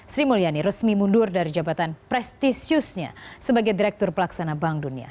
sri mulyani resmi mundur dari jabatan prestisiusnya sebagai direktur pelaksana bank dunia